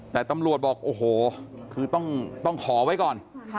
แต่ตำรวจบอกโอ้โหคือต้องขอไว้ก่อน